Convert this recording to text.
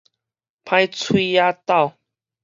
歹喙野斗